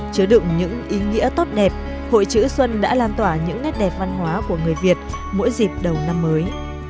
chứa đựng những ý nghĩa tốt đẹp hội chữ xuân đã lan tỏa những nét đẹp văn hóa của người việt mỗi dịp đầu năm mới